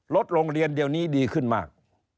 โรงเรียนเดียวนี้ดีขึ้นมาก